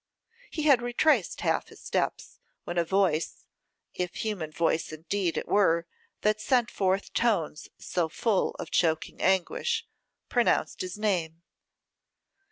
He had retraced half his steps, when a voice, if human voice indeed it were that sent forth tones so full of choking anguish, pronounced his name.